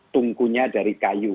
tungkunya dari kayu